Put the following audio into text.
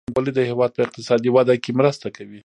ډیجیټل بانکوالي د هیواد په اقتصادي وده کې مرسته کوي.